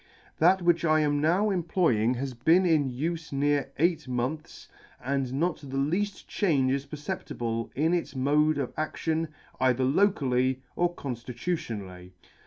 That which I am now employing has been in ufe near eight months, and not the lead; change is perceptible in its mode of adion either locally or conftitutionally.